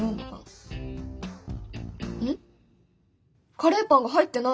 カレーパンが入ってない。